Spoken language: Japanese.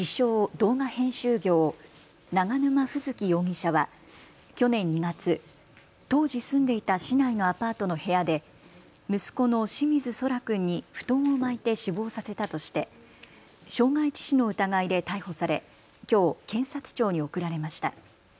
動画編集業、永沼楓月容疑者は去年２月、当時住んでいた市内のアパートの部屋で息子の清水奏良君に布団を巻いて死亡させたとして傷害致死の疑いで逮捕されきょう検察庁に送られました。